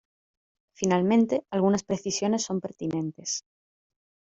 Finalmente, algunas precisiones son pertinentes.